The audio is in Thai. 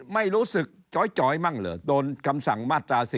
ไม่รู้สึกจอยมั่งเหรอโดนคำสั่งมาตรา๔